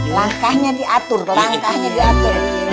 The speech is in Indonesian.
langkahnya diatur langkahnya diatur